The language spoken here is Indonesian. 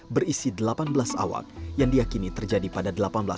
berisi delapan belas awat yang diakini terjadi pada seribu delapan ratus dua puluh enam